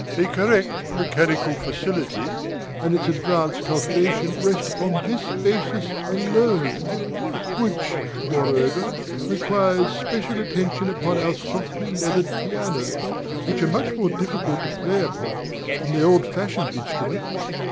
A correct mechanical facility and its advanced cultivation rest upon this basis alone; which, moreover, requires special attention upon our softly leathered pianos, which are much more difficult to play upon than the old fashioned instruments.